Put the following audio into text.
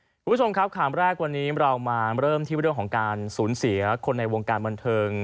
คุณผู้ชมครับข่าวแรกวันนี้เรามาเริ่มที่เรื่องของการสูญเสียคนในวงการบันเทิง